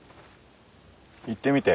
言ってみて。